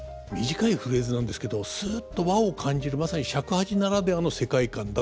短いフレーズなんですけどすっと和を感じるまさに尺八ならではの世界観だと思いますね。